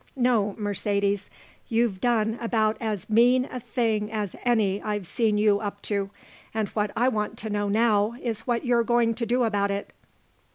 No, Mercedes, you've done about as mean a thing as any I've seen you up to and what I want to know now is what you're going to do about it."